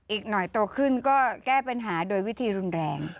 อีกหน่อยโตขึ้นก็แก้ปัญหาโดยวิธีรุนแรง